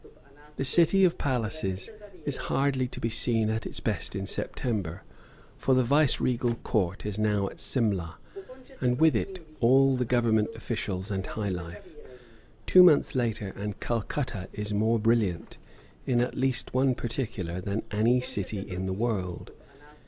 The City of Palaces is hardly to be seen at its best in September, for the Viceregal Court is now at Simla, and with it all the government officials and high life. Two months later and Calcutta is more brilliant, in at least one particular, than any city in the world.